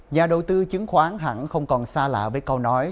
nhà đầu tư chứng khoán hẳn không còn xa lạ với câu nói